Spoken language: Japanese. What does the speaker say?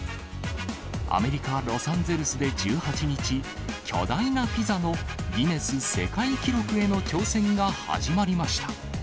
アメリカ・ロサンゼルスで１８日、巨大なピザのギネス世界記録への挑戦が始まりました。